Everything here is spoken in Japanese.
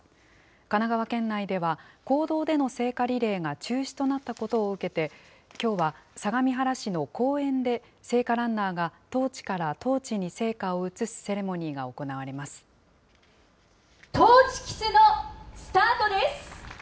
神奈川県内では、公道での聖火リレーが中止となったことを受けて、きょうは相模原市の公園で、聖火ランナーがトーチからトーチに聖火を移すセレモニーが行われトーチキスのスタートです。